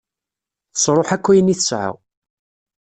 Tesruḥ akk ayen i tesεa.